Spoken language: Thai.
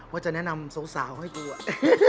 ว่าจะแนะนำสาวให้ดูอะ